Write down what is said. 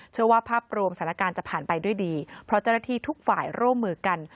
เชื่อว่าภาพรวมสถานการณ์จะผ่านไปด้วยดีเพราะเจ้าหน้าที่ทุกฝ่ายร่วมมือกัน